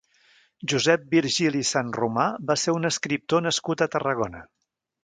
Josep Virgili i Sanromà va ser un escriptor nascut a Tarragona.